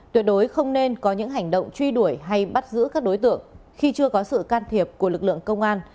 tuyệt đối không nên có những hành động truy đuổi hay bắt giữ các đối tượng khi chưa có sự can thiệp của lực lượng công an